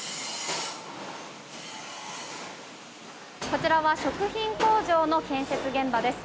こちらは食品工場の建設現場です。